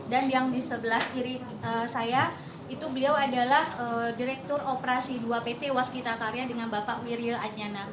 dan yang di sebelah kiri saya itu beliau adalah direktur operasi dua pt waskitakarya dengan bapak wiryul adjana